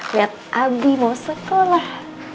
liat abdi mau sekolah